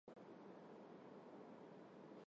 Օգտագործվում է դետոնացնող և բռնկող պատիճներում։